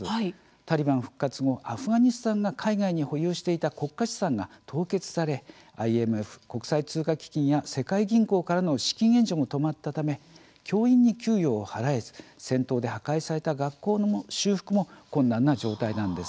タリバン復活後アフガニスタンが海外に保有している国家資産が凍結されＩＭＦ・国際通貨基金や世界銀行からの資金援助も止まったため教員に給与を払えず戦闘で破壊された学校の修復も困難な状態なんです。